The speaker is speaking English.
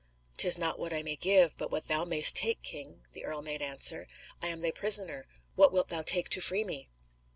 "'Tis not what I may give, but what thou mayst take, king," the earl made answer. "I am thy prisoner; what wilt thou take to free me?"